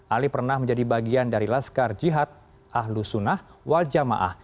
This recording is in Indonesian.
ali pernah menjadi bagian dari laskar jihad ahlusunah waljamaah